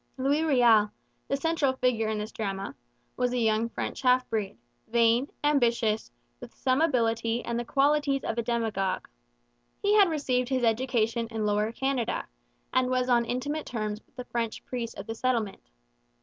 Louis Riel, the central figure in this drama, was a young French half breed, vain, ambitious, with some ability and the qualities of a demagogue. He had received his education in Lower Canada, and was on intimate terms with the French priests of the settlement.